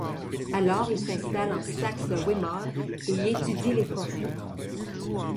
Alors il s'installe en Saxe-Weimar et y étudie les forêts.